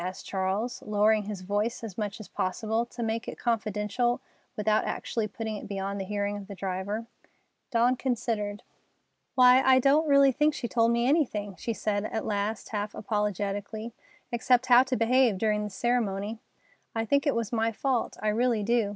asked Charles, lowering his voice as much as possible, to make it confidential without actually putting it beyond the hearing of the driver. Dawn considered. "Why, I don't really think she told me anything," she said at last, half apologetically, "except how to behave during the ceremony. I think it was my fault, I really do.